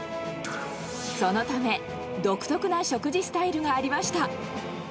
そのため、独特な食事スタイルがありました。